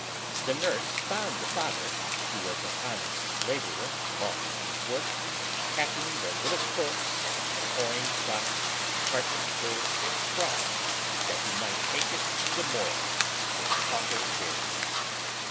The imrse found the father, who was an honest laborer long out of work, pack ing the little corpse in an orange box partly iilled with straw, that he miglit take it to the Morgue for pauper burial.